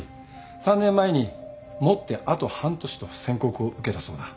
３年前に「持ってあと半年」と宣告を受けたそうだ。